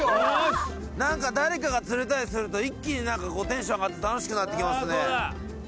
何か誰かが釣れたりすると一気に何かこうテンション上がって楽しくなってきますね。